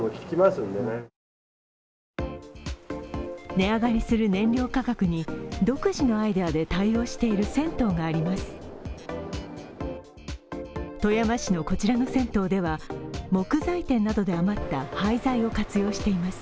値上がりする燃料価格に独自のアイディアで対応している銭湯があります。